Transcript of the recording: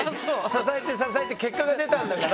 支えて支えて結果が出たんだから。